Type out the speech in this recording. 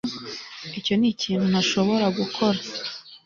Icyo nikintu ntashobora gukora